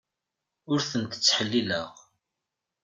Ur tent-ttḥellileɣ.